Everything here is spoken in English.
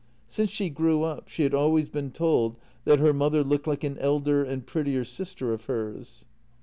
Since she grew up she had always been told that her mother looked like an elder and prettier sister of hers.